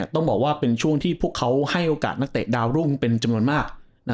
ต้องบอกว่าเป็นช่วงที่พวกเขาให้โอกาสนักเตะดาวรุ่งเป็นจำนวนมาก